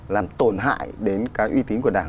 làm tổn hại đến cái uy tín của đảng